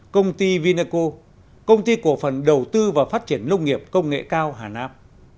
công ty vineco công ty cổ phần đầu tư và phát triển nông nghiệp công nghệ cao hà nam